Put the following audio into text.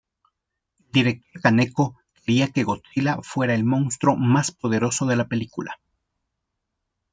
El director Kaneko quería que Godzilla fuera el monstruo más poderoso de la película.